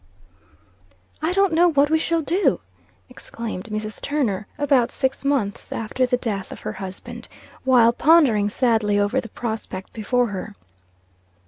"I don't know what we shall do!" exclaimed Mrs. Turner, about six months after the death of her husband, while pondering sadly over the prospect before her.